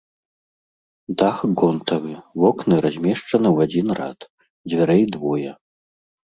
Дах гонтавы, вокны размешчаны ў адзін рад, дзвярэй двое.